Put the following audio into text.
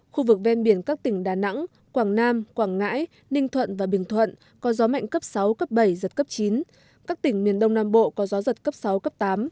khu vực ven biển các tỉnh đà nẵng quảng nam quảng ngãi ninh thuận và bình thuận có gió mạnh cấp sáu cấp bảy giật cấp chín các tỉnh miền đông nam bộ có gió giật cấp sáu cấp tám